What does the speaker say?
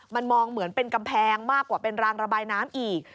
มันมองเหมือนเป็นกำแพงมากกว่าเป็นรางระบายน้ำอีก